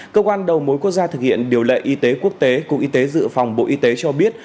cơ quan đầu mối quốc gia thực hiện điều lệ y tế quốc tế cục y tế dự phòng bộ y tế cho biết